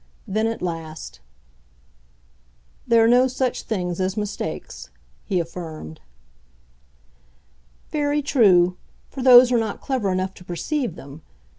Then at last, "There are no such things as mistakes," he affirmed. "Very true—for those who are not clever enough to perceive them.